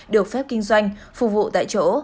được phép kinh doanh phục vụ tại chỗ